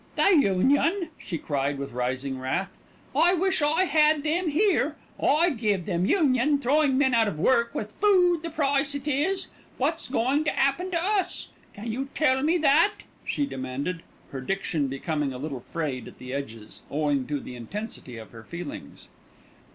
"The Union!" she cried with rising wrath. "I wish I had them here. I'd give them Union, throwing men out of work, with food the price it is. What's going to 'appen to us? Can you tell me that?" she demanded, her diction becoming a little frayed at the edges, owing to the intensity of her feelings.